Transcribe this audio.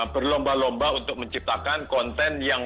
berlomba lomba untuk menciptakan konten yang